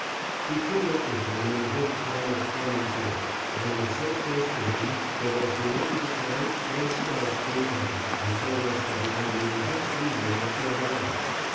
We came up with them in the big town of Armentières, and were so close to them that as we entered the town our scouts came back and told us that the enemy were just leaving it at the other end.